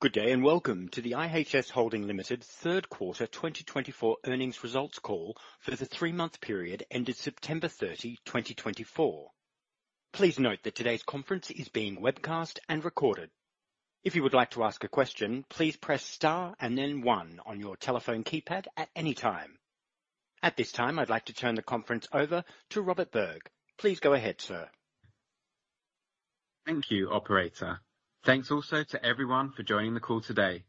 Good day and welcome to the IHS Holding Limited Third Quarter 2024 Earnings results call for the three-month period ended September 30, 2024. Please note that today's conference is being webcast and recorded. If you would like to ask a question, please press star and then one on your telephone keypad at any time. At this time, I'd like to turn the conference over to Robert Berg. Please go ahead, sir. Thank you, Operator. Thanks also to everyone for joining the call today.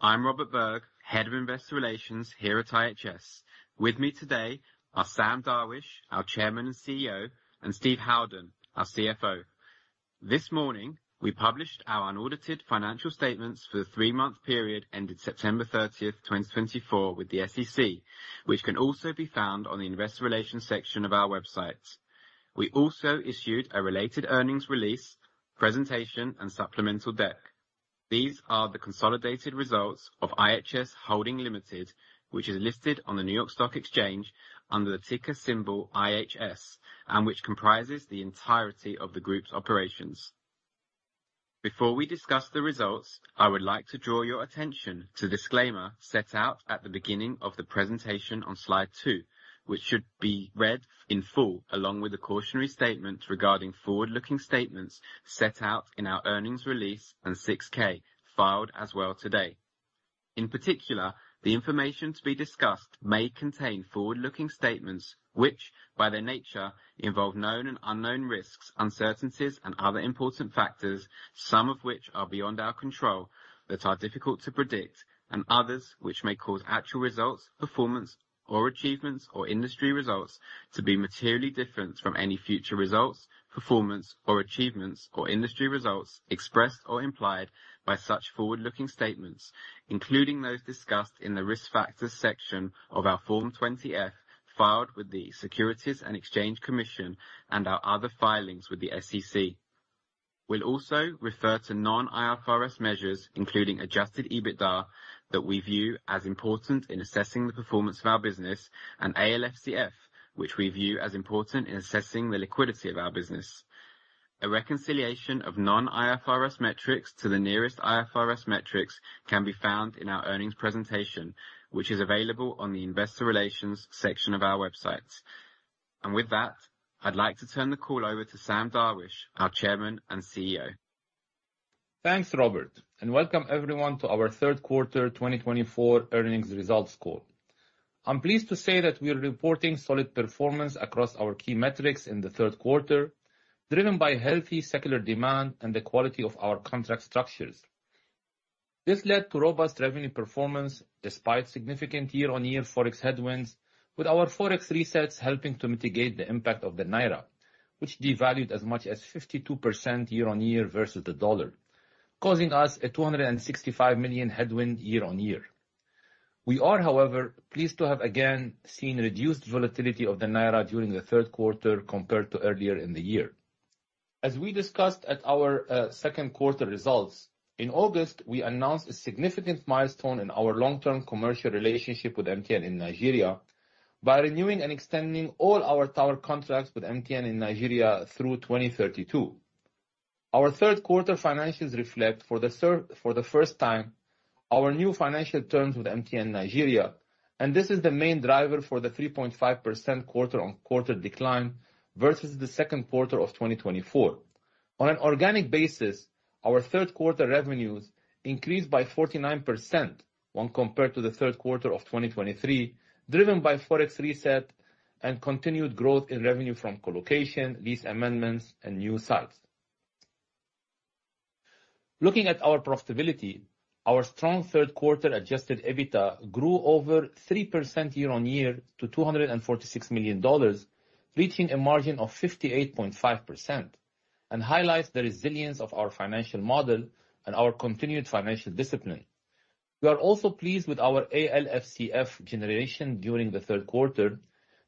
I'm Robert Berg, Head of Investor Relations here at IHS. With me today are Sam Darwish, our Chairman and CEO, and Steve Howden, our CFO. This morning, we published our unaudited financial statements for the three-month period ended September 30, 2024, with the SEC, which can also be found on the investor relations section of our website. We also issued a related earnings release, presentation, and supplemental deck. These are the consolidated results of IHS Holding Limited, which is listed on the New York Stock Exchange under the ticker symbol IHS, and which comprises the entirety of the group's operations. Before we discuss the results, I would like to draw your attention to the disclaimer set out at the beginning of the presentation on slide two, which should be read in full, along with the cautionary statement regarding forward-looking statements set out in our earnings release and 6-K filed as well today. In particular, the information to be discussed may contain forward-looking statements which, by their nature, involve known and unknown risks, uncertainties, and other important factors, some of which are beyond our control, that are difficult to predict, and others which may cause actual results, performance, or achievements, or industry results to be materially different from any future results, performance, or achievements, or industry results expressed or implied by such forward-looking statements, including those discussed in the risk factors section of our Form 20-F filed with the Securities and Exchange Commission and our other filings with the SEC. We'll also refer to non-IFRS measures, including adjusted EBITDA, that we view as important in assessing the performance of our business, and ALFCF, which we view as important in assessing the liquidity of our business. A reconciliation of non-IFRS metrics to the nearest IFRS metrics can be found in our earnings presentation, which is available on the investor relations section of our website. And with that, I'd like to turn the call over to Sam Darwish, our Chairman and CEO. Thanks, Robert, and welcome everyone to our third quarter 2024 earnings results call. I'm pleased to say that we're reporting solid performance across our key metrics in the third quarter, driven by healthy secular demand and the quality of our contract structures. This led to robust revenue performance despite significant year-on-year forex headwinds, with our forex resets helping to mitigate the impact of the naira, which devalued as much as 52% year-on-year versus the dollar, causing us a $265 million headwind year-on-year. We are, however, pleased to have again seen reduced volatility of the naira during the third quarter compared to earlier in the year. As we discussed at our second quarter results, in August, we announced a significant milestone in our long-term commercial relationship with MTN in Nigeria by renewing and extending all our tower contracts with MTN in Nigeria through 2032. Our third quarter financials reflect, for the first time, our new financial terms with MTN Nigeria, and this is the main driver for the 3.5% quarter-on-quarter decline versus the second quarter of 2024. On an organic basis, our third quarter revenues increased by 49% when compared to the third quarter of 2023, driven by forex reset and continued growth in revenue from colocation, lease amendments, and new sites. Looking at our profitability, our strong third quarter adjusted EBITDA grew over 3% year-on-year to $246 million, reaching a margin of 58.5%, and highlights the resilience of our financial model and our continued financial discipline. We are also pleased with our ALFCF generation during the third quarter,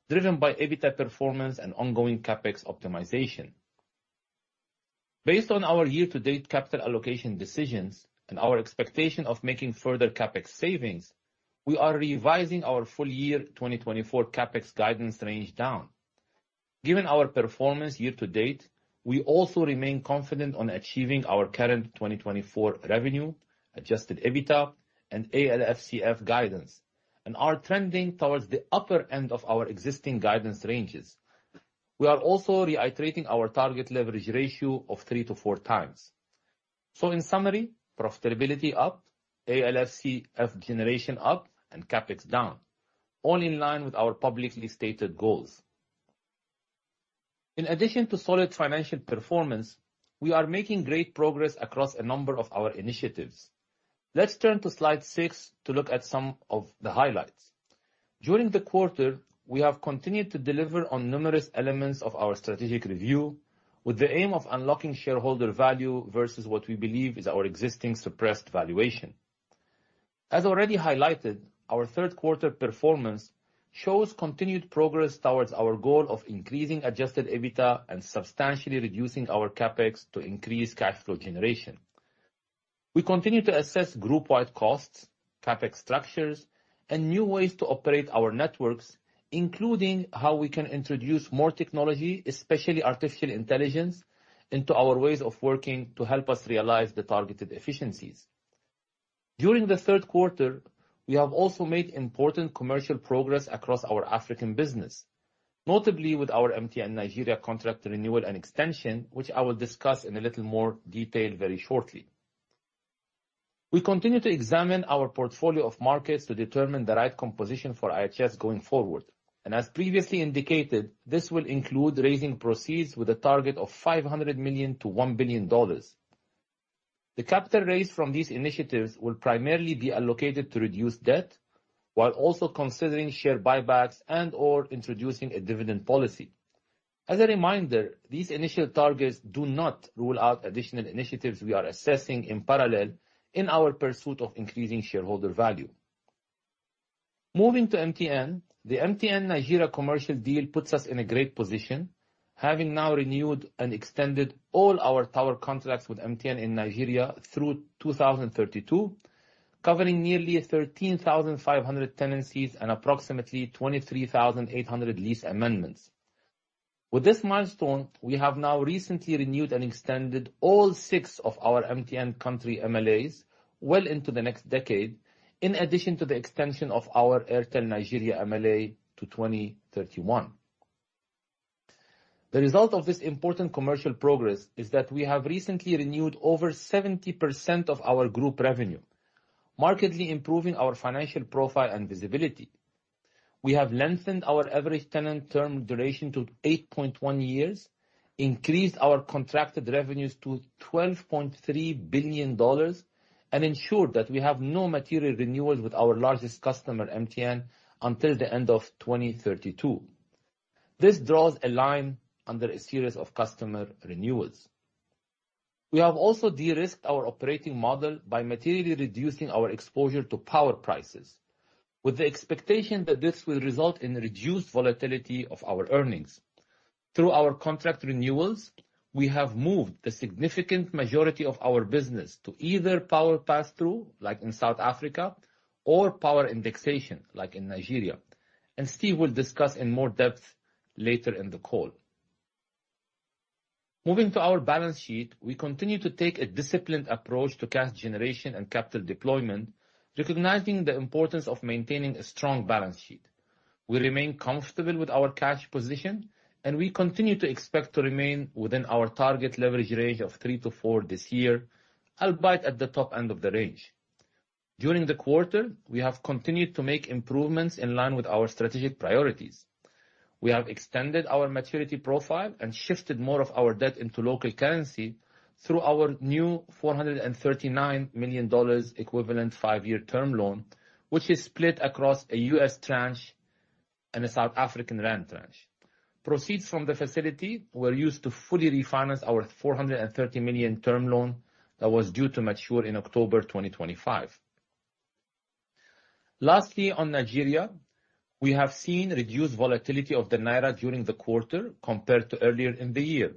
driven by EBITDA performance and ongoing CapEx optimization. Based on our year-to-date capital allocation decisions and our expectation of making further CapEx savings, we are revising our full-year 2024 CapEx guidance range down. Given our performance year-to-date, we also remain confident on achieving our current 2024 revenue, adjusted EBITDA, and ALFCF guidance, and are trending towards the upper end of our existing guidance ranges. We are also reiterating our target leverage ratio of 3x-4x. So, in summary, profitability up, ALFCF generation up, and CapEx down, all in line with our publicly stated goals. In addition to solid financial performance, we are making great progress across a number of our initiatives. Let's turn to slide six to look at some of the highlights. During the quarter, we have continued to deliver on numerous elements of our strategic review, with the aim of unlocking shareholder value versus what we believe is our existing suppressed valuation. As already highlighted, our third quarter performance shows continued progress towards our goal of increasing adjusted EBITDA and substantially reducing our CapEx to increase cash flow generation. We continue to assess group-wide costs, CapEx structures, and new ways to operate our networks, including how we can introduce more technology, especially artificial intelligence, into our ways of working to help us realize the targeted efficiencies. During the third quarter, we have also made important commercial progress across our African business, notably with our MTN Nigeria contract renewal and extension, which I will discuss in a little more detail very shortly. We continue to examine our portfolio of markets to determine the right composition for IHS going forward, and as previously indicated, this will include raising proceeds with a target of $500 million-$1 billion. The capital raised from these initiatives will primarily be allocated to reduce debt, while also considering share buybacks and or introducing a dividend policy. As a reminder, these initial targets do not rule out additional initiatives we are assessing in parallel in our pursuit of increasing shareholder value. Moving to MTN, the MTN Nigeria commercial deal puts us in a great position, having now renewed and extended all our tower contracts with MTN in Nigeria through 2032, covering nearly 13,500 tenancies and approximately 23,800 lease amendments. With this milestone, we have now recently renewed and extended all six of our MTN country MLAs well into the next decade, in addition to the extension of our Airtel Nigeria MLA to 2031. The result of this important commercial progress is that we have recently renewed over 70% of our group revenue, markedly improving our financial profile and visibility. We have lengthened our average tenant term duration to 8.1 years, increased our contracted revenues to $12.3 billion, and ensured that we have no material renewals with our largest customer, MTN, until the end of 2032. This draws a line under a series of customer renewals. We have also de-risked our operating model by materially reducing our exposure to power prices, with the expectation that this will result in reduced volatility of our earnings. Through our contract renewals, we have moved the significant majority of our business to either power pass-through, like in South Africa, or power indexation, like in Nigeria, and Steve will discuss in more depth later in the call. Moving to our balance sheet, we continue to take a disciplined approach to cash generation and capital deployment, recognizing the importance of maintaining a strong balance sheet. We remain comfortable with our cash position, and we continue to expect to remain within our target leverage range of three to four this year, albeit at the top end of the range. During the quarter, we have continued to make improvements in line with our strategic priorities. We have extended our maturity profile and shifted more of our debt into local currency through our new $439 million equivalent five-year term loan, which is split across a U.S. tranche and a South African Rand tranche. Proceeds from the facility were used to fully refinance our $430 million term loan that was due to mature in October 2025. Lastly, on Nigeria, we have seen reduced volatility of the naira during the quarter compared to earlier in the year,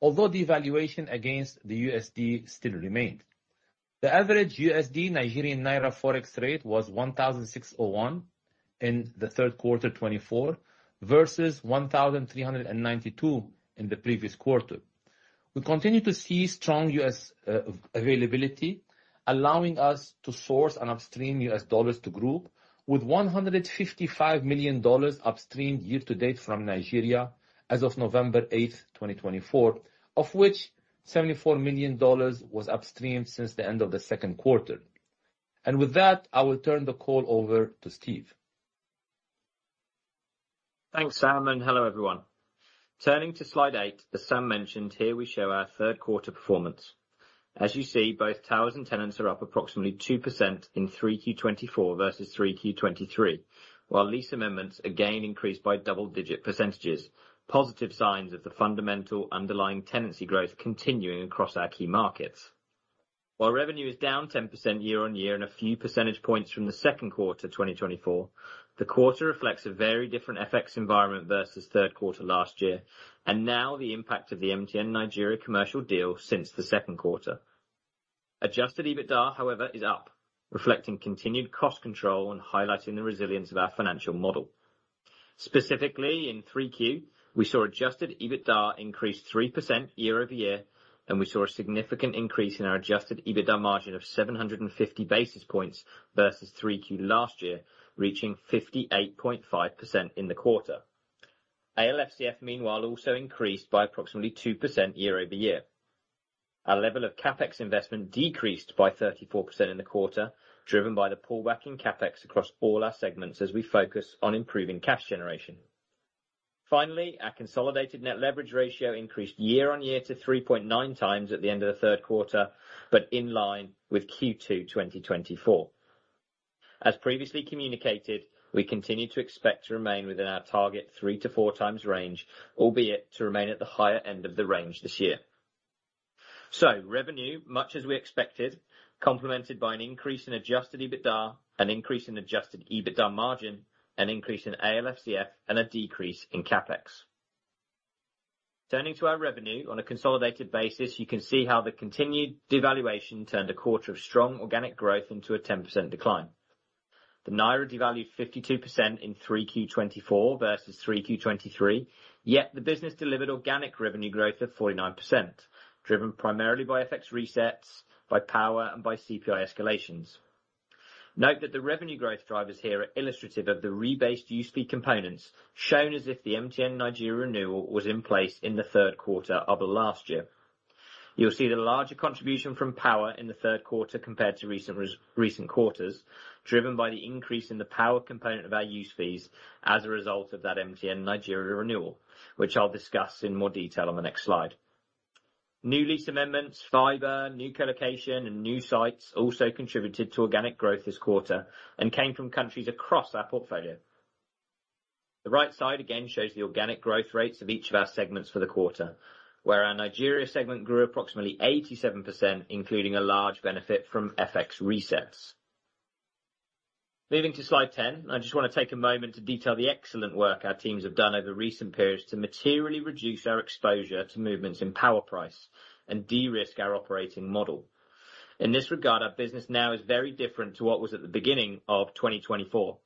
although devaluation against the USD still remained. The average USD-Nigerian naira forex rate was 1,601 in the third quarter 2024 versus 1,392 in the previous quarter. We continue to see strong USD availability, allowing us to source and upstream USD to the group, with $155 million upstream year-to-date from Nigeria as of November 8, 2024, of which $74 million was upstream since the end of the second quarter, and with that, I will turn the call over to Steve. Thanks, Sam, and hello, everyone. Turning to slide eight that Sam mentioned, here we show our third quarter performance. As you see, both towers and tenants are up approximately 2% in 3Q 2024 versus 3Q 2023, while lease amendments again increased by double-digit percentages, positive signs of the fundamental underlying tenancy growth continuing across our key markets. While revenue is down 10% year-on-year and a few percentage points from the second quarter 2024, the quarter reflects a very different FX environment versus third quarter last year, and now the impact of the MTN Nigeria commercial deal since the second quarter. Adjusted EBITDA, however, is up, reflecting continued cost control and highlighting the resilience of our financial model. Specifically, in 3Q, we saw adjusted EBITDA increase 3% year-over-year, and we saw a significant increase in our adjusted EBITDA margin of 750 basis points versus 3Q last year, reaching 58.5% in the quarter. ALFCF, meanwhile, also increased by approximately 2% year-over-year. Our level of CapEx investment decreased by 34% in the quarter, driven by the pullback in CapEx across all our segments as we focus on improving cash generation. Finally, our consolidated net leverage ratio increased year-on-year to 3.9x at the end of the third quarter, but in line with Q2 2024. As previously communicated, we continue to expect to remain within our target 3x-4x range, albeit to remain at the higher end of the range this year. So, revenue, much as we expected, complemented by an increase in Adjusted EBITDA, an increase in Adjusted EBITDA margin, an increase in ALFCF, and a decrease in CapEx. Turning to our revenue, on a consolidated basis, you can see how the continued devaluation turned a quarter of strong organic growth into a 10% decline. The naira devalued 52% in 3Q24 versus 3Q23, yet the business delivered organic revenue growth of 49%, driven primarily by FX resets, by power, and by CPI escalations. Note that the revenue growth drivers here are illustrative of the rebased USP components, shown as if the MTN Nigeria renewal was in place in the third quarter of last year. You'll see the larger contribution from power in the third quarter compared to recent quarters, driven by the increase in the power component of our use fees as a result of that MTN Nigeria renewal, which I'll discuss in more detail on the next slide. New lease amendments, fiber, new colocation, and new sites also contributed to organic growth this quarter and came from countries across our portfolio. The right side again shows the organic growth rates of each of our segments for the quarter, where our Nigeria segment grew approximately 87%, including a large benefit from FX resets. Moving to slide 10, I just want to take a moment to detail the excellent work our teams have done over recent periods to materially reduce our exposure to movements in power price and de-risk our operating model. In this regard, our business now is very different to what was at the beginning of 2024.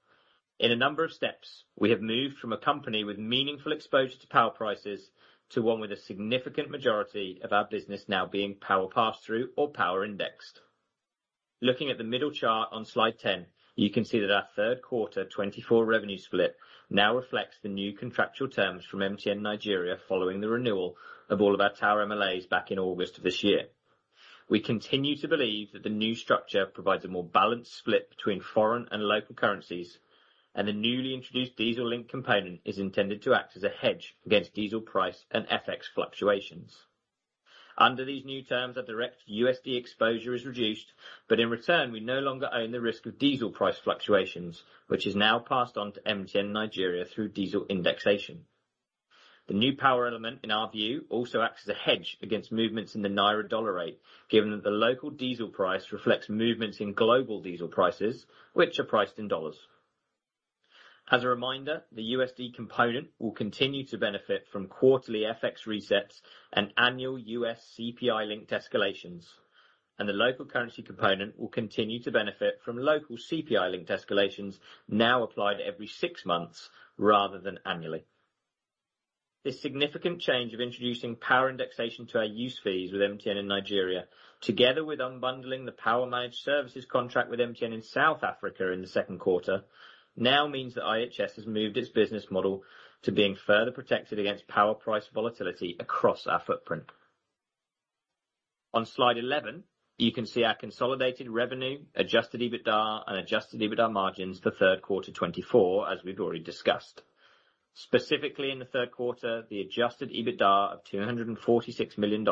In a number of steps, we have moved from a company with meaningful exposure to power prices to one with a significant majority of our business now being power pass-through or power indexed. Looking at the middle chart on slide 10, you can see that our third quarter 2024 revenue split now reflects the new contractual terms from MTN Nigeria following the renewal of all of our tower MLAs back in August of this year. We continue to believe that the new structure provides a more balanced split between foreign and local currencies, and the newly introduced diesel link component is intended to act as a hedge against diesel price and FX fluctuations. Under these new terms, our direct USD exposure is reduced, but in return, we no longer own the risk of diesel price fluctuations, which is now passed on to MTN Nigeria through diesel indexation. The new power element, in our view, also acts as a hedge against movements in the naira dollar rate, given that the local diesel price reflects movements in global diesel prices, which are priced in dollars. As a reminder, the USD component will continue to benefit from quarterly FX resets and annual U.S. CPI-linked escalations, and the local currency component will continue to benefit from local CPI-linked escalations now applied every six months rather than annually. This significant change of introducing power indexation to our use fees with MTN in Nigeria, together with unbundling the power managed services contract with MTN in South Africa in the second quarter, now means that IHS has moved its business model to being further protected against power price volatility across our footprint. On slide 11, you can see our consolidated revenue, adjusted EBITDA, and adjusted EBITDA margins for third quarter 2024, as we've already discussed. Specifically, in the third quarter, the adjusted EBITDA of $246 million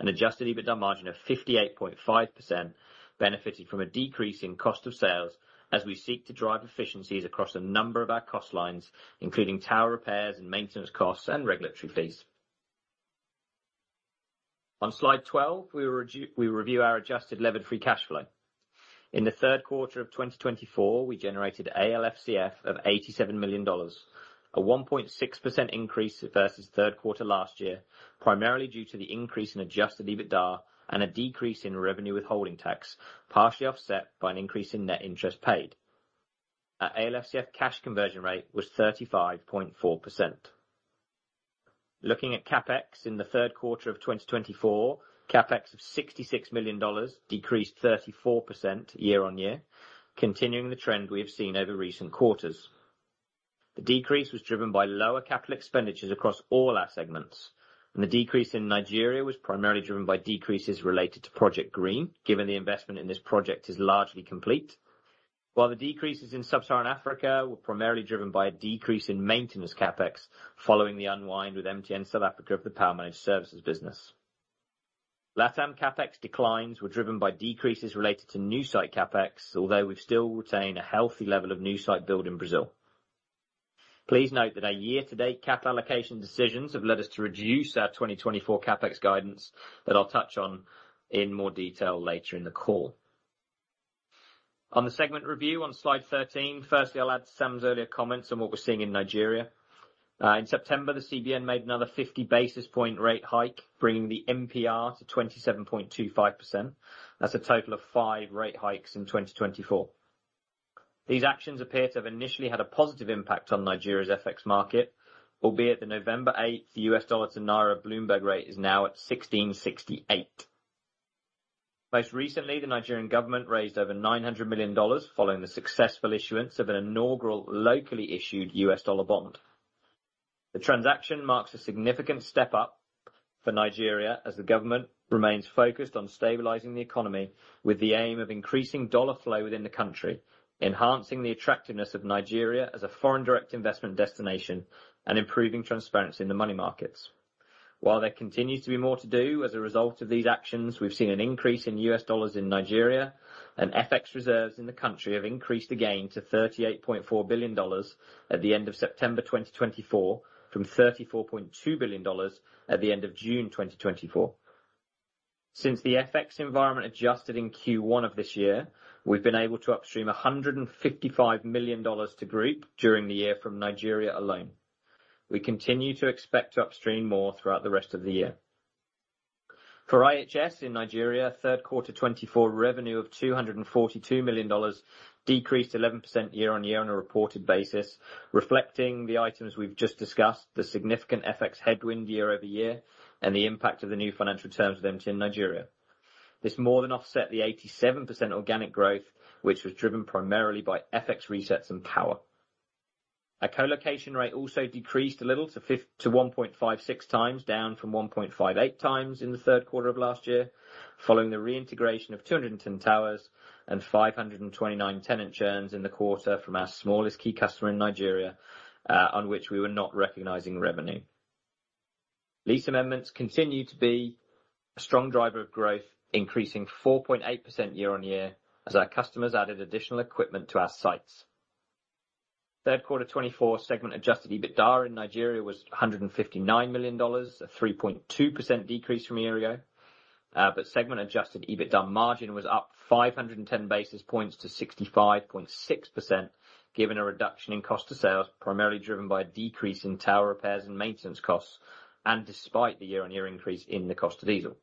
and adjusted EBITDA margin of 58.5% benefited from a decrease in cost of sales as we seek to drive efficiencies across a number of our cost lines, including tower repairs and maintenance costs and regulatory fees. On slide 12, we review our adjusted leveraged free cash flow. In the third quarter of 2024, we generated ALFCF of $87 million, a 1.6% increase versus third quarter last year, primarily due to the increase in adjusted EBITDA and a decrease in revenue withholding tax, partially offset by an increase in net interest paid. Our ALFCF cash conversion rate was 35.4%. Looking at CapEx in the third quarter of 2024, CapEx of $66 million decreased 34% year-on-year, continuing the trend we have seen over recent quarters. The decrease was driven by lower capital expenditures across all our segments, and the decrease in Nigeria was primarily driven by decreases related to Project Green, given the investment in this project is largely complete, while the decreases in Sub-Saharan Africa were primarily driven by a decrease in maintenance CapEx following the unwind with MTN South Africa of the power managed services business. LATAM CapEx declines were driven by decreases related to new site CapEx, although we've still retained a healthy level of new site build in Brazil. Please note that our year-to-date capital allocation decisions have led us to reduce our 2024 CapEx guidance that I'll touch on in more detail later in the call. On the segment review on slide 13, firstly, I'll add Sam's earlier comments on what we're seeing in Nigeria. In September, the CBN made another 50 basis point rate hike, bringing the MPR to 27.25%. That's a total of five rate hikes in 2024. These actions appear to have initially had a positive impact on Nigeria's FX market, albeit the November 8 U.S. dollar to naira Bloomberg rate is now at 16.68. Most recently, the Nigerian government raised over $900 million following the successful issuance of an inaugural locally issued U.S. dollar bond. The transaction marks a significant step up for Nigeria as the government remains focused on stabilizing the economy with the aim of increasing dollar flow within the country, enhancing the attractiveness of Nigeria as a foreign direct investment destination, and improving transparency in the money markets. While there continues to be more to do as a result of these actions, we've seen an increase in US dollars in Nigeria, and FX reserves in the country have increased again to $38.4 billion at the end of September 2024 from $34.2 billion at the end of June 2024. Since the FX environment adjusted in Q1 of this year, we've been able to upstream $155 million to group during the year from Nigeria alone. We continue to expect to upstream more throughout the rest of the year. For IHS in Nigeria, third quarter 2024 revenue of $242 million decreased 11% year-on-year on a reported basis, reflecting the items we've just discussed, the significant FX headwind year-over-year, and the impact of the new financial terms with MTN Nigeria. This more than offset the 87% organic growth, which was driven primarily by FX resets and power. Our colocation rate also decreased a little to 1.56x, down from 1.58x in the third quarter of last year, following the reintegration of 210 towers and 529 tenant churns in the quarter from our smallest key customer in Nigeria, on which we were not recognizing revenue. Lease amendments continue to be a strong driver of growth, increasing 4.8% year-on-year as our customers added additional equipment to our sites. Third quarter 2024 segment adjusted EBITDA in Nigeria was $159 million, a 3.2% decrease from a year ago, but segment adjusted EBITDA margin was up 510 basis points to 65.6%, given a reduction in cost of sales, primarily driven by a decrease in tower repairs and maintenance costs, and despite the year-on-year increase in the cost of diesel.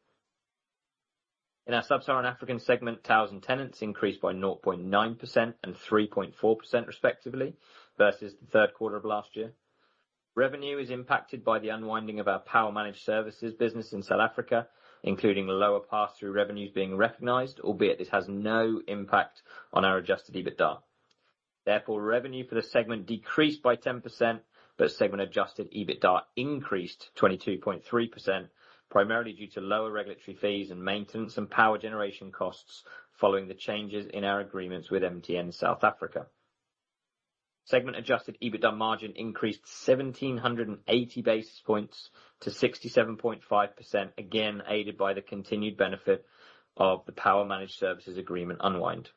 In our Sub-Saharan African segment, towers and tenants increased by 0.9% and 3.4%, respectively, versus the third quarter of last year. Revenue is impacted by the unwinding of our power managed services business in South Africa, including lower pass-through revenues being recognized, albeit this has no impact on our adjusted EBITDA. Therefore, revenue for the segment decreased by 10%, but segment adjusted EBITDA increased 22.3%, primarily due to lower regulatory fees and maintenance and power generation costs following the changes in our agreements with MTN South Africa. Segment adjusted EBITDA margin increased 1,780 basis points to 67.5%, again aided by the continued benefit of the power managed services agreement unwind.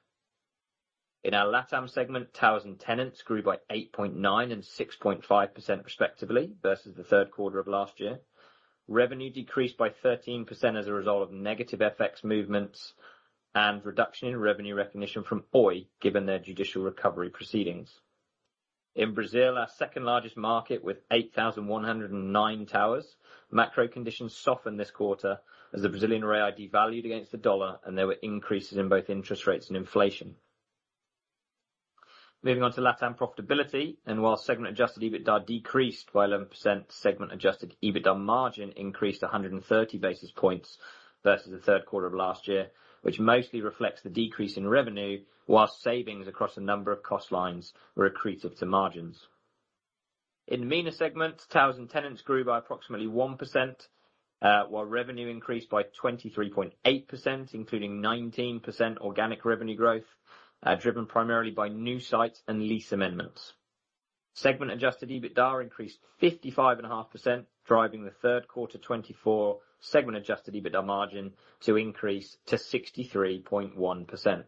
In our LATAM segment, towers and tenants grew by 8.9% and 6.5%, respectively, versus the third quarter of last year. Revenue decreased by 13% as a result of negative FX movements and reduction in revenue recognition from Oi, given their judicial recovery proceedings. In Brazil, our second largest market with 8,109 towers, macro conditions softened this quarter as the Brazilian real devalued against the dollar, and there were increases in both interest rates and inflation. Moving on to LATAM profitability, and while segment adjusted EBITDA decreased by 11%, segment adjusted EBITDA margin increased 130 basis points versus the third quarter of last year, which mostly reflects the decrease in revenue, while savings across a number of cost lines were accretive to margins. In the MENA segment, towers and tenants grew by approximately 1%, while revenue increased by 23.8%, including 19% organic revenue growth, driven primarily by new sites and lease amendments. Segment adjusted EBITDA increased 55.5%, driving the third quarter 2024 segment adjusted EBITDA margin to increase to 63.1%.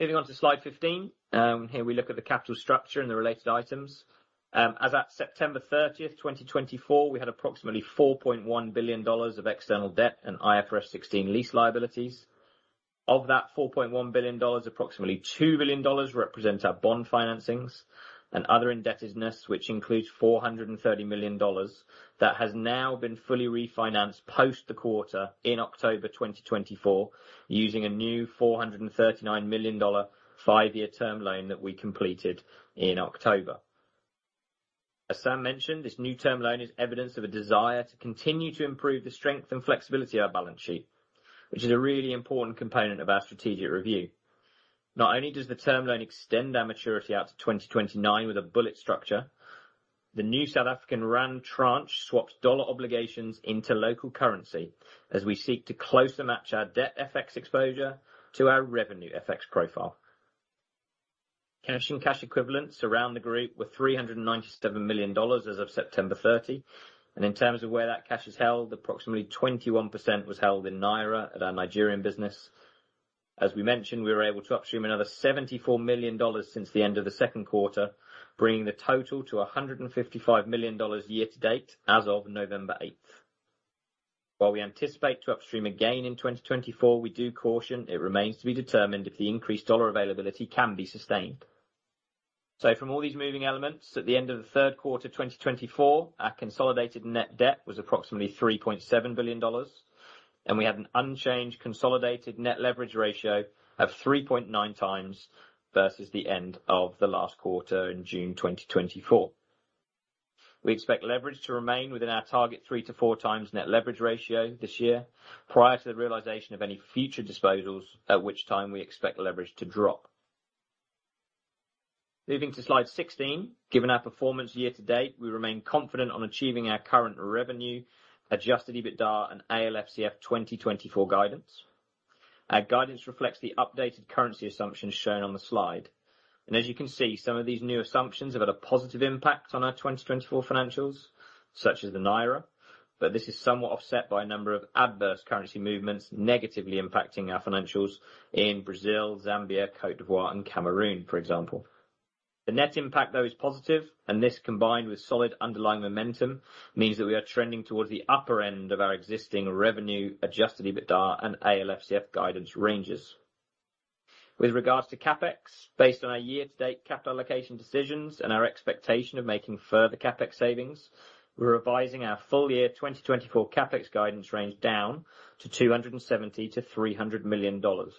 Moving on to slide 15, here we look at the capital structure and the related items. As at September 30th, 2024, we had approximately $4.1 billion of external debt and IFRS 16 lease liabilities. Of that $4.1 billion, approximately $2 billion represents our bond financings and other indebtedness, which includes $430 million that has now been fully refinanced post the quarter in October 2024, using a new $439 million five-year term loan that we completed in October. As Sam mentioned, this new term loan is evidence of a desire to continue to improve the strength and flexibility of our balance sheet, which is a really important component of our strategic review. Not only does the term loan extend our maturity out to 2029 with a bullet structure, the new South African rand tranche swaps dollar obligations into local currency as we seek to closer match our debt FX exposure to our revenue FX profile. Cash and cash equivalents around the group were $397 million as of September 30, and in terms of where that cash is held, approximately 21% was held in naira at our Nigerian business. As we mentioned, we were able to upstream another $74 million since the end of the second quarter, bringing the total to $155 million year-to-date as of November 8th. While we anticipate to upstream again in 2024, we do caution it remains to be determined if the increased dollar availability can be sustained. So from all these moving elements, at the end of the third quarter 2024, our consolidated net debt was approximately $3.7 billion, and we had an unchanged consolidated net leverage ratio of 3.9x versus the end of the last quarter in June 2024. We expect leverage to remain within our target 3x-4x net leverage ratio this year prior to the realization of any future disposals, at which time we expect leverage to drop. Moving to slide 16, given our performance year-to-date, we remain confident on achieving our current revenue adjusted EBITDA and ALFCF 2024 guidance. Our guidance reflects the updated currency assumptions shown on the slide, and as you can see, some of these new assumptions have had a positive impact on our 2024 financials, such as the naira, but this is somewhat offset by a number of adverse currency movements negatively impacting our financials in Brazil, Zambia, Côte d'Ivoire, and Cameroon, for example. The net impact, though, is positive, and this combined with solid underlying momentum means that we are trending towards the upper end of our existing revenue adjusted EBITDA and ALFCF guidance ranges. With regards to CapEx, based on our year-to-date capital allocation decisions and our expectation of making further CapEx savings, we're revising our full year 2024 CapEx guidance range down to $270 million-$300 million. This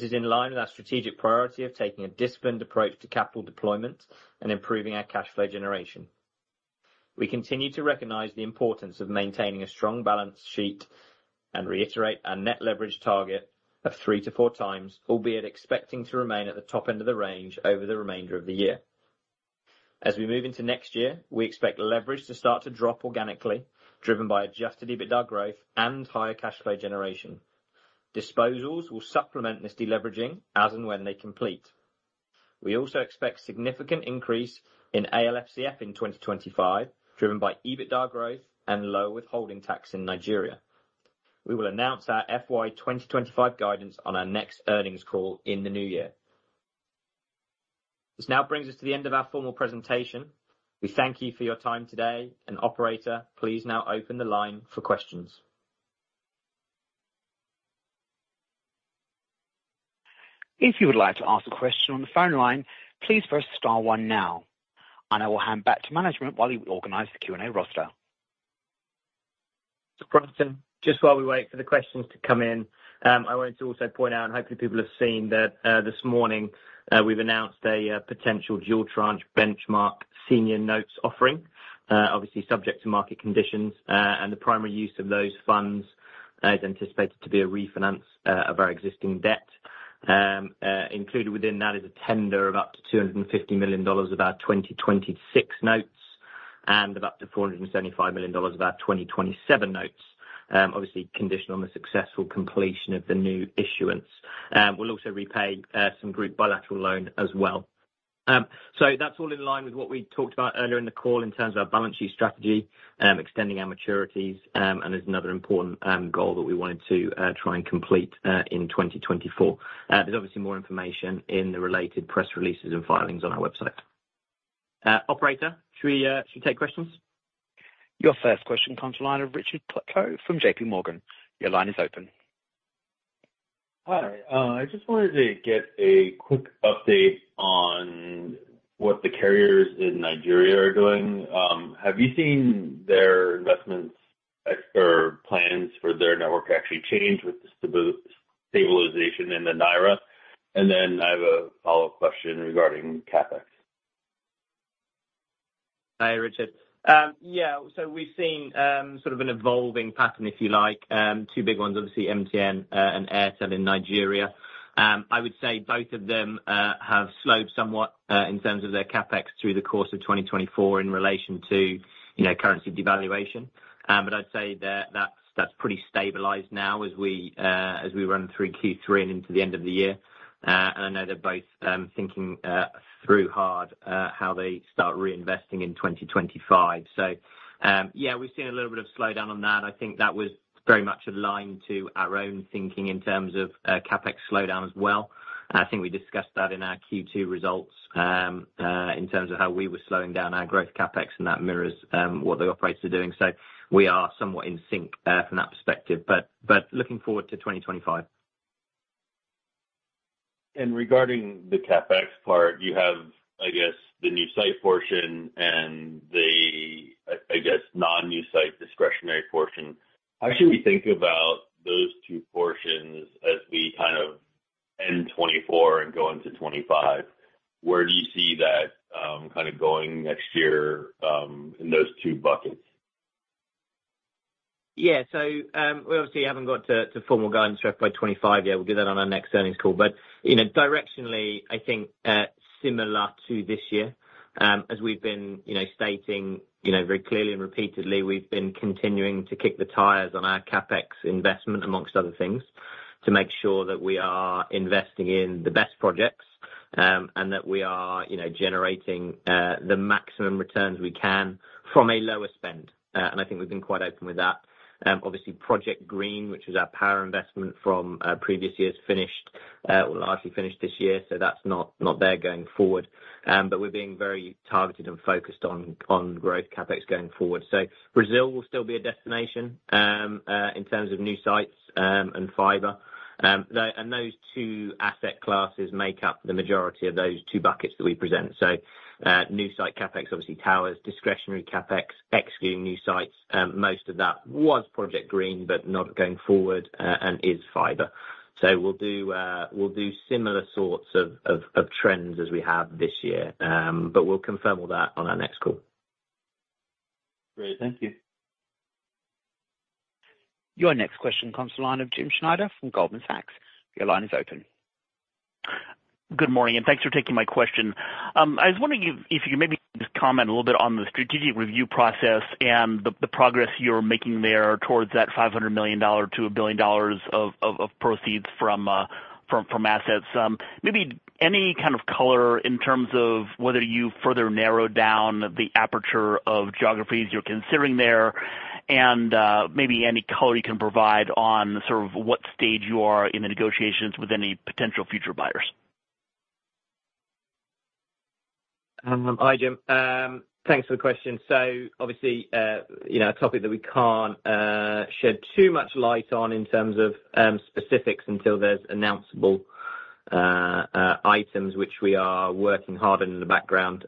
is in line with our strategic priority of taking a disciplined approach to capital deployment and improving our cash flow generation. We continue to recognize the importance of maintaining a strong balance sheet and reiterate our net leverage target of three to four times, albeit expecting to remain at the top end of the range over the remainder of the year. As we move into next year, we expect leverage to start to drop organically, driven by adjusted EBITDA growth and higher cash flow generation. Disposals will supplement this deleveraging as and when they complete. We also expect significant increase in ALFCF in 2025, driven by EBITDA growth and lower withholding tax in Nigeria. We will announce our FY 2025 guidance on our next earnings call in the new year. This now brings us to the end of our formal presentation. We thank you for your time today, and Operator, please now open the line for questions. If you would like to ask a question on the phone line, please press star one now, and I will hand back to management while he organizes the Q and A roster. Just while we wait for the questions to come in, I wanted to also point out, and hopefully people have seen that this morning we've announced a potential dual tranche benchmark Senior Notes offering, obviously subject to market conditions, and the primary use of those funds is anticipated to be a refinance of our existing debt. Included within that is a tender of up to $250 million of our 2026 notes and of up to $475 million of our 2027 notes, obviously conditional on the successful completion of the new issuance. We'll also repay some group bilateral loan as well. So that's all in line with what we talked about earlier in the call in terms of our balance sheet strategy, extending our maturities, and there's another important goal that we wanted to try and complete in 2024. There's obviously more information in the related press releases and filings on our website. Operator, should we take questions? Your first question, caller, line one, Richard Choe from JPMorgan. Your line is open. Hi, I just wanted to get a quick update on what the carriers in Nigeria are doing. Have you seen their investment or plans for their network actually change with the stabilization in the naira? And then I have a follow-up question regarding CapEx. Hi, Richard. Yeah, so we've seen sort of an evolving pattern, if you like. Two big ones, obviously, MTN and Airtel in Nigeria. I would say both of them have slowed somewhat in terms of their CapEx through the course of 2024 in relation to currency devaluation, but I'd say that that's pretty stabilized now as we run through Q3 and into the end of the year, and I know they're both thinking through hard how they start reinvesting in 2025, so yeah, we've seen a little bit of slowdown on that. I think that was very much aligned to our own thinking in terms of CapEx slowdown as well. I think we discussed that in our Q2 results in terms of how we were slowing down our growth CapEx, and that mirrors what the operators are doing. So we are somewhat in sync from that perspective, but looking forward to 2025. And regarding the CapEx part, you have, I guess, the new site portion and the, I guess, non-new site discretionary portion. How should we think about those two portions as we kind of end 2024 and go into 2025? Where do you see that kind of going next year in those two buckets? Yeah, so we obviously haven't got to formal guidance by 2025 yet. We'll do that on our next earnings call, but directionally, I think similar to this year, as we've been stating very clearly and repeatedly, we've been continuing to kick the tires on our CapEx investment, among other things, to make sure that we are investing in the best projects and that we are generating the maximum returns we can from a lower spend, and I think we've been quite open with that. Obviously, Project Green, which was our power investment from previous years, finished or largely finished this year, so that's not there going forward, but we're being very targeted and focused on growth CapEx going forward. Brazil will still be a destination in terms of new sites and fiber, and those two asset classes make up the majority of those two buckets that we present. So, new site CapEx, obviously towers, discretionary CapEx, excluding new sites, most of that was Project Green, but not going forward and is fiber. So, we'll do similar sorts of trends as we have this year, but we'll confirm all that on our next call. Great, thank you. Your next question, caller, line one, Jim Schneider from Goldman Sachs. Your line is open. Good morning, and thanks for taking my question. I was wondering if you could maybe comment a little bit on the strategic review process and the progress you're making there towards that $500 million-$1 billion of proceeds from assets. Maybe any kind of color in terms of whether you further narrowed down the aperture of geographies you're considering there and maybe any color you can provide on sort of what stage you are in the negotiations with any potential future buyers. Hi, Jim. Thanks for the question. So obviously, a topic that we can't shed too much light on in terms of specifics until there's announceable items, which we are working hard on in the background.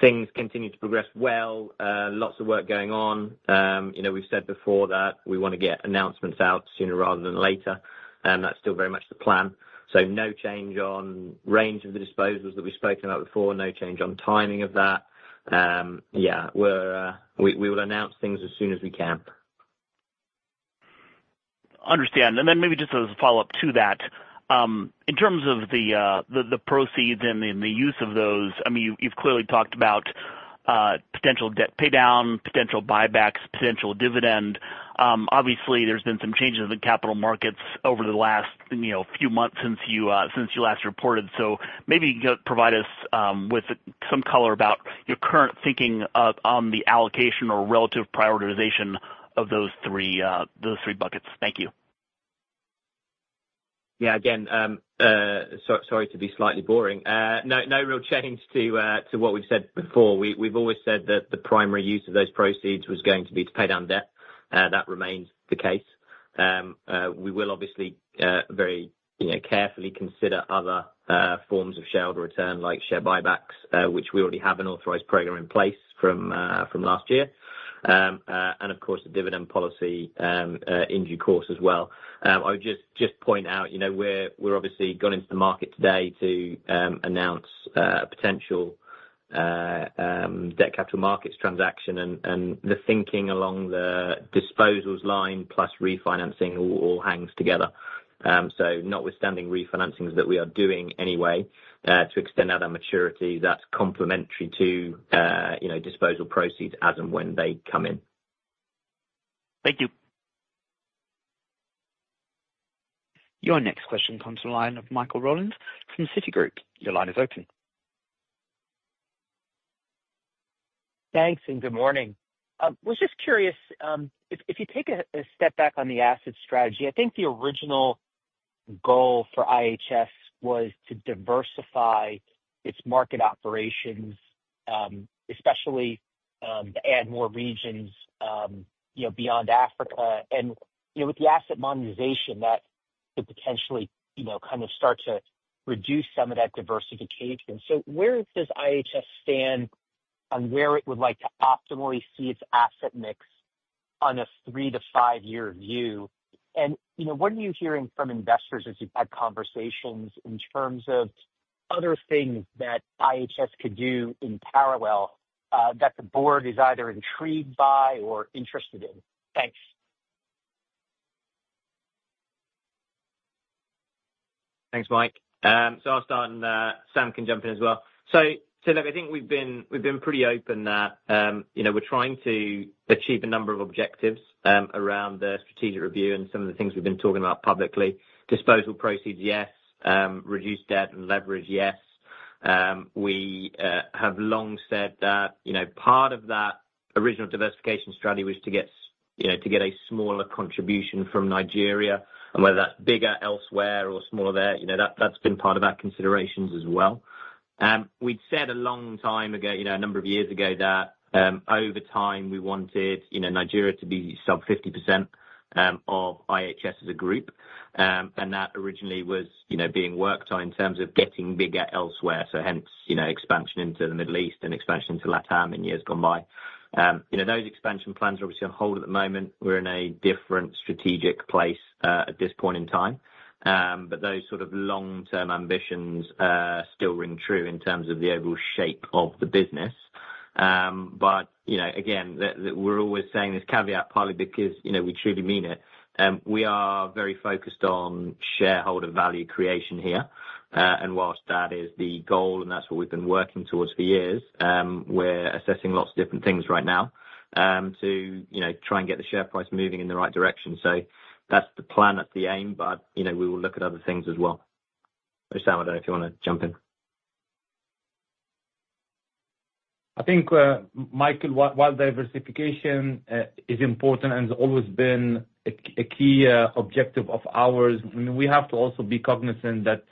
Things continue to progress well. Lots of work going on. We've said before that we want to get announcements out sooner rather than later. That's still very much the plan. So no change on range of the disposals that we've spoken about before, no change on timing of that. Yeah, we will announce things as soon as we can. Understand. And then maybe just as a follow-up to that, in terms of the proceeds and the use of those, I mean, you've clearly talked about potential debt paydown, potential buybacks, potential dividend. Obviously, there's been some changes in the capital markets over the last few months since you last reported. So maybe you could provide us with some color about your current thinking on the allocation or relative prioritization of those three buckets. Thank you. Yeah, again, sorry to be slightly boring. No real change to what we've said before. We've always said that the primary use of those proceeds was going to be to pay down debt. That remains the case. We will obviously very carefully consider other forms of shareholder return like share buybacks, which we already have an authorized program in place from last year. And of course, the dividend policy in due course as well. I would just point out we've obviously gone into the market today to announce a potential debt capital markets transaction, and the thinking along the disposals line plus refinancing all hangs together. So notwithstanding refinancings that we are doing anyway to extend out our maturity, that's complementary to disposal proceeds as and when they come in. Thank you. Your next question from Michael Rollins of Citigroup. Your line is open. Thanks and good morning. I was just curious, if you take a step back on the asset strategy, I think the original goal for IHS was to diversify its market operations, especially to add more regions beyond Africa, and with the asset monetization, that could potentially kind of start to reduce some of that diversification, so where does IHS stand on where it would like to optimally see its asset mix on a three to five-year view? And what are you hearing from investors as you've had conversations in terms of other things that IHS could do in parallel that the board is either intrigued by or interested in? Thanks. Thanks, Mike, so I'll start, and Sam can jump in as well. So look, I think we've been pretty open that we're trying to achieve a number of objectives around the strategic review and some of the things we've been talking about publicly. Disposal proceeds, yes. Reduce debt and leverage, yes. We have long said that part of that original diversification strategy was to get a smaller contribution from Nigeria, and whether that's bigger elsewhere or smaller there, that's been part of our considerations as well. We'd said a long time ago, a number of years ago, that over time we wanted Nigeria to be sub 50% of IHS as a group. And that originally was being worked on in terms of getting bigger elsewhere. So hence expansion into the Middle East and expansion into LATAM in years gone by. Those expansion plans are obviously on hold at the moment. We're in a different strategic place at this point in time. But those sort of long-term ambitions still ring true in terms of the overall shape of the business. But again, we're always saying this caveat partly because we truly mean it. We are very focused on shareholder value creation here. And whilst that is the goal, and that's what we've been working towards for years, we're assessing lots of different things right now to try and get the share price moving in the right direction. So that's the plan, that's the aim, but we will look at other things as well. Sam, I don't know if you want to jump in. I think, Michael, while diversification is important and has always been a key objective of ours, I mean, we have to also be cognizant that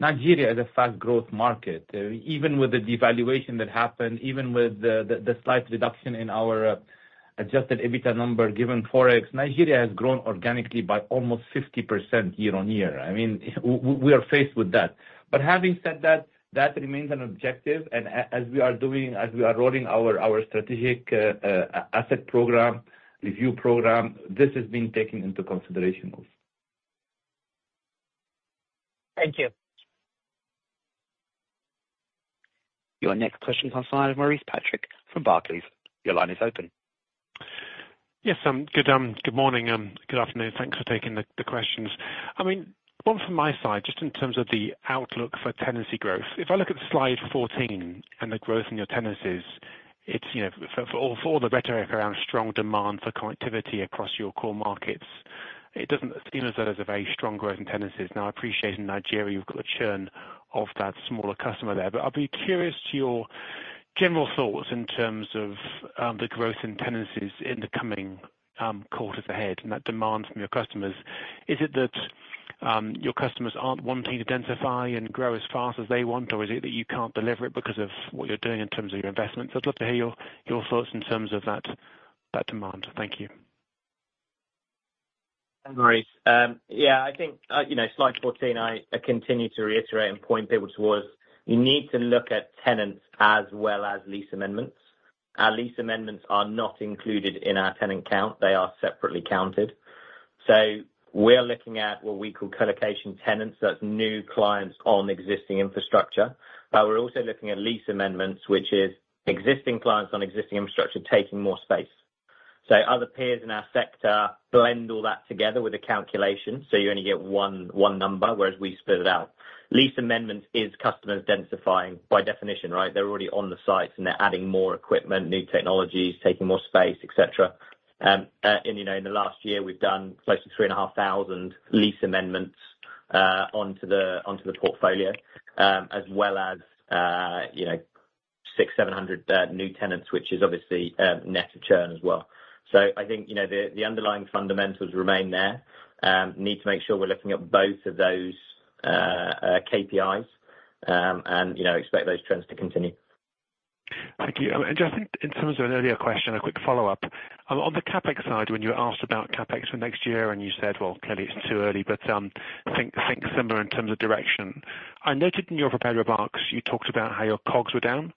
Nigeria is a fast-growth market. Even with the devaluation that happened, even with the slight reduction in our adjusted EBITDA number given Forex, Nigeria has grown organically by almost 50% year on year. I mean, we are faced with that. But having said that, that remains an objective, and as we are rolling our strategic asset program, review program, this has been taken into consideration also. Thank you. Your next question from Maurice Patrick from Barclays. Your line is open. Yes, Sam. Good morning and good afternoon. Thanks for taking the questions. I mean, one from my side, just in terms of the outlook for tenancy growth. If I look at slide 14 and the growth in your tenancies, for all the rhetoric around strong demand for connectivity across your core markets, it doesn't seem as though there's a very strong growth in tenancies. Now, I appreciate in Nigeria you've got a churn of that smaller customer there. But I'd be curious to your general thoughts in terms of the growth in tenancies in the coming quarters ahead and that demand from your customers. Is it that your customers aren't wanting to densify and grow as fast as they want, or is it that you can't deliver it because of what you're doing in terms of your investments? I'd love to hear your thoughts in terms of that demand. Thank you. Maurice. Yeah, I think slide 14. I continue to reiterate and point people towards you need to look at tenants as well as lease amendments. Our lease amendments are not included in our tenant count. They are separately counted. So we're looking at what we call colocation tenants. That's new clients on existing infrastructure. But we're also looking at lease amendments, which is existing clients on existing infrastructure taking more space. So other peers in our sector blend all that together with a calculation. So you only get one number, whereas we split it out. Lease amendments is customers densifying by definition, right? They're already on the sites, and they're adding more equipment, new technologies, taking more space, etc. And in the last year, we've done close to 3,500 lease amendments onto the portfolio, as well as 6,700 new tenants, which is obviously net churn as well. So I think the underlying fundamentals remain there. Need to make sure we're looking at both of those KPIs and expect those trends to continue. Thank you. And I think in terms of an earlier question, a quick follow-up. On the CapEx side, when you were asked about CapEx for next year and you said, "Well, clearly it's too early," but think similar in terms of direction. I noted in your prepared remarks, you talked about how your COGS were down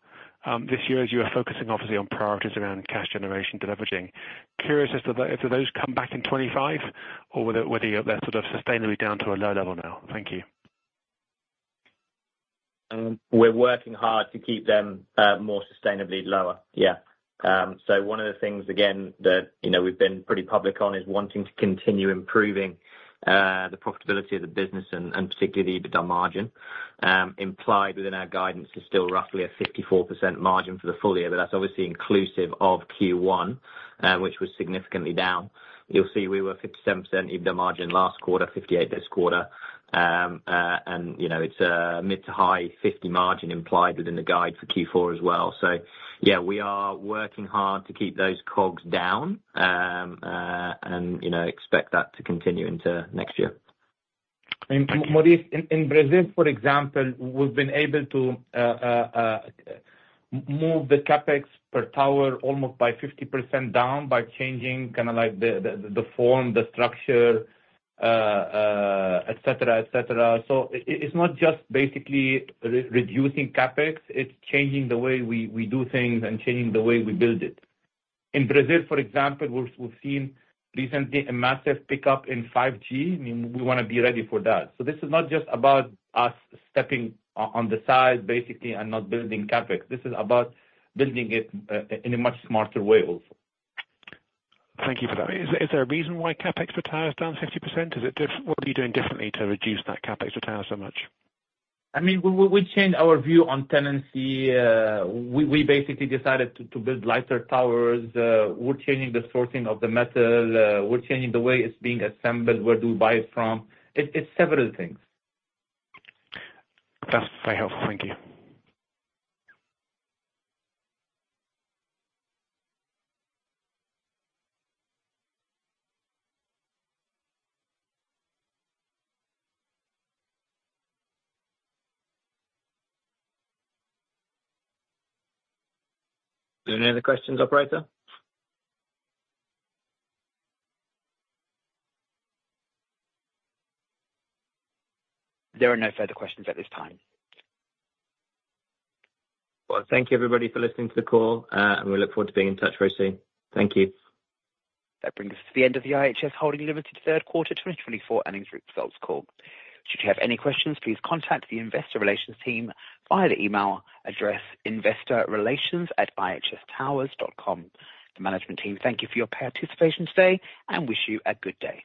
this year as you were focusing obviously on priorities around cash generation to leveraging. Curious as to whether those come back in 2025 or whether they're sort of sustainably down to a low level now. Thank you. We're working hard to keep them more sustainably lower. Yeah. So one of the things, again, that we've been pretty public on is wanting to continue improving the profitability of the business and particularly the EBITDA margin. Implied within our guidance is still roughly a 54% margin for the full year, but that's obviously inclusive of Q1, which was significantly down. You'll see we were 57% EBITDA margin last quarter, 58% this quarter, and it's a mid- to high-50% margin implied within the guide for Q4 as well. So yeah, we are working hard to keep those COGS down and expect that to continue into next year. And Maurice, in Brazil, for example, we've been able to move the CapEx per tower almost by 50% down by changing kind of like the form, the structure, et cetera, et cetera. So it's not just basically reducing CapEx, it's changing the way we do things and changing the way we build it. In Brazil, for example, we've seen recently a massive pickup in 5G. We want to be ready for that. So this is not just about us stepping on the side basically and not building CapEx. This is about building it in a much smarter way also. Thank you for that. Is there a reason why CapEx per tower is down 50%? What are you doing differently to reduce that CapEx per tower so much? I mean, we changed our view on tenancy. We basically decided to build lighter towers. We're changing the sourcing of the metal. We're changing the way it's being assembled. Where do we buy it from? It's several things. That's very helpful. Thank you. Do you have any other questions, Operator? There are no further questions at this time. Thank you, everybody, for listening to the call, and we look forward to being in touch very soon. Thank you. That brings us to the end of the IHS Holding Limited Third Quarter 2024 Earnings group results call. Should you have any questions, please contact the investor relations team via the email address investorrelations@ihstowers.com. The management team thank you for your participation today and wish you a good day.